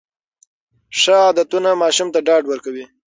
ښه عادتونه ماشوم ته ډاډ ورکوي.